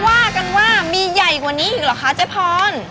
ว่ากันว่ามีใหญ่กว่านี้อีกเหรอคะเจ๊พร